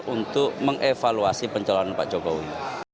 untuk mengevaluasi pencalonan pak jokowi